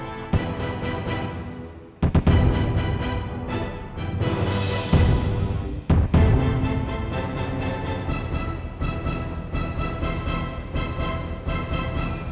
terima kasih ya